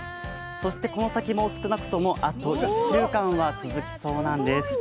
そして、この先も少なくともあと１週間は続きそうなんです。